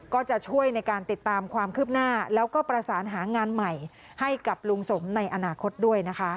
ก็จะช่วยในการติดตามความคืบหน้าแล้วก็ประสานหางานใหม่ให้กับลุงสมในอนาคตด้วยนะคะ